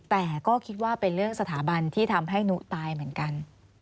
แต่ก็คิดว่าเป็นเรื่องสถาบันที่ทำให้นุตายเหมือนกัน